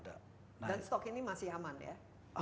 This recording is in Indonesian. dan stok ini masih aman ya